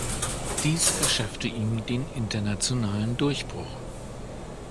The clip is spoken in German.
Dies verschaffte ihm den internationalen Durchbruch.